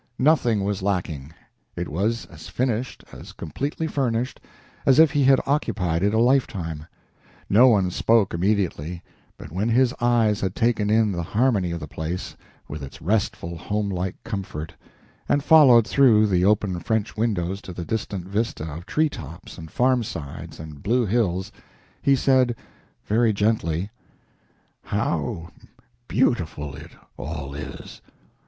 Nothing was lacking it was as finished, as completely furnished, as if he had occupied it a lifetime. No one spoke immediately, but when his eyes had taken in the harmony of the place, with its restful, home like comfort, and followed through the open French windows to the distant vista of treetops and farmsides and blue hills, he said, very gently: "How beautiful it all is!